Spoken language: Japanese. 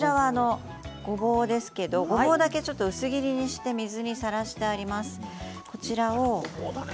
ごぼうだけちょっと薄切りにして水にさらしてあります。